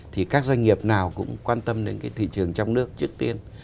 thì các doanh nghiệp nào cũng quan tâm đến cái thị trường trong nước trước tiên